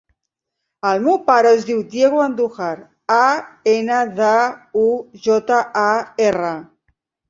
El meu pare es diu Diego Andujar: a, ena, de, u, jota, a, erra.